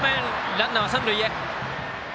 ランナーは三塁へ。